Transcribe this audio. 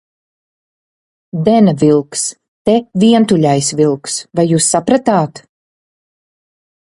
Dena vilks, te Vientuļais vilks, vai jūs sapratāt?